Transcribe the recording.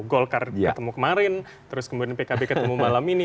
golkar ketemu kemarin terus kemudian pkb ketemu malam ini